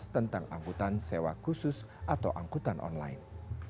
tentang angkutan sewa khusus atau angkutan online